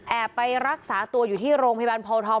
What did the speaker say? ไปรักษาตัวอยู่ที่โรงพยาบาลโพทอง